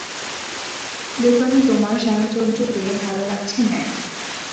দোকানে তোমার সাহচর্য পেয়ে ভালো লাগছে ম্যাক্স।